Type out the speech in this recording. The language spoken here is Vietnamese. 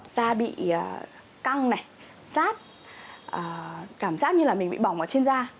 da bị căng này sát cảm giác như là mình bị bỏng ở trên da